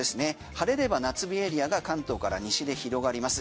晴れれば夏日エリアが関東から西で広がります。